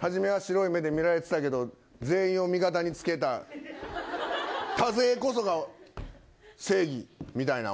初めは白い目で見られていたけど全員を味方につけた多勢こそが正義みたいの、